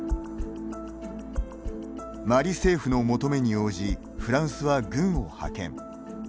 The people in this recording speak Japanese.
マリ政府の求めに応じフランスは軍を派遣。